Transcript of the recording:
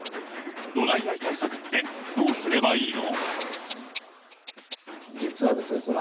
ドライアイ対策ってどうすればいいの？